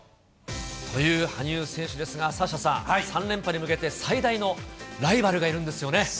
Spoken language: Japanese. という羽生選手ですが、サッシャさん、３連覇に向けて最大のライバルがいるんですよね。